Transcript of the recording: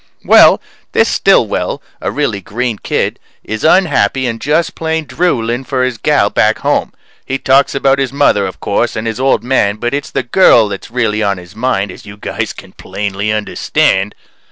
Well, this Stillwell a really green kid is unhappy and just plain drooling for his gal back home. He talks about his mother, of course, and his old man, but it's the girl that's really on his mind as you guys can plainly understand.